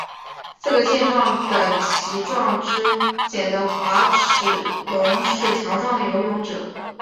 四个强壮的鳍状肢显示滑齿龙是强壮的游泳者。